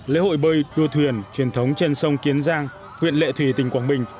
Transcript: lễ hội bơi đua thuyền truyền thống trên sông kiến giang huyện lệ thủy tỉnh quảng bình